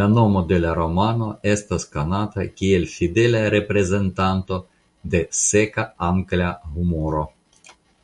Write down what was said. La nomo de la romano estas konata kiel fidela reprezentanto de seka angla humuro.